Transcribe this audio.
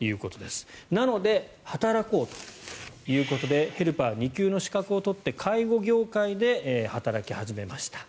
なので、働こうということでヘルパー２級の資格を取って介護業界で働き始めました。